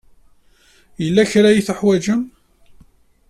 Yella kra ay teḥwajemt?